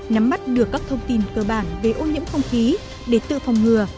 nắm mắt được các thông tin cơ bản về ô nhiễm không khí để tự phòng ngừa